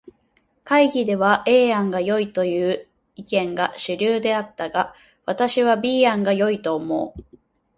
会議では A 案がよいという意見が主流であったが、私は B 案が良いと思う。